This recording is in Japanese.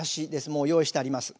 もう用意してあります。